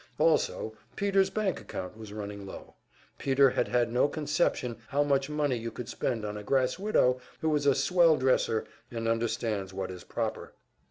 Also, Peter's bank account was running low. Peter had had no conception how much money you could spend on a grass widow who is a "swell dresser" and understands what is "proper."